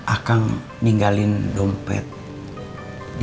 akang ninggalin dompet diatas meja kami